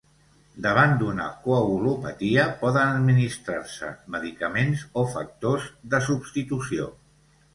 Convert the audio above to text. Davant d'una coagulopatia, poden administrar-se medicaments o factors de substitució.